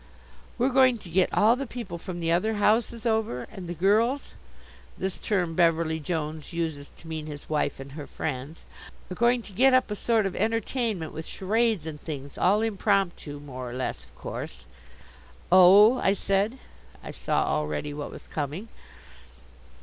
"We're going to get all the people from the other houses over and the girls" this term Beverly Jones uses to mean his wife and her friends "are going to get up a sort of entertainment with charades and things, all impromptu, more or less, of course " "Oh," I said. I saw already what was coming.